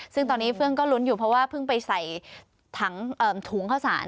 ซึ่งตอนนี้เฟื่องก็ลุ้นอยู่เพราะว่าเพิ่งไปใส่ถังถุงข้าวสาร